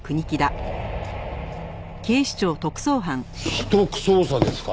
秘匿捜査ですか？